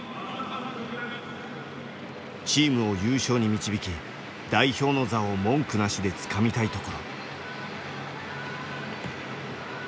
チームを優勝に導き代表の座を文句なしでつかみたいところ。